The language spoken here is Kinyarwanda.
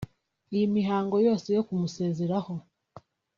Iyi mihango yose yo kumusezeraho